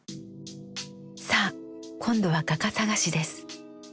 さあ今度は画家探しです。